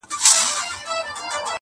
• ماشومانو چي تلکه ایښودله -